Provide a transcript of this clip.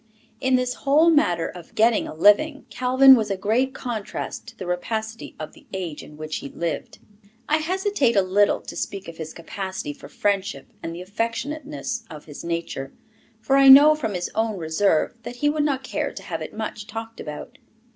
In this whole matter of "getting a living," Calvin was a great contrast to the rapacity of the age in which he lived. I hesitate a little to speak of his capacity for friendship and the affectionateness of his nature, for I know from his own reserve that he would not care to have it much talked about.